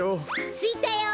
ついたよ。